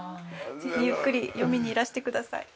ぜひゆっくり読みにいらしてください。